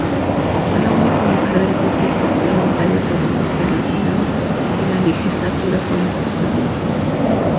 Fue la única mujer del Grupo parlamentario socialista del Senado en la Legislatura Constituyente.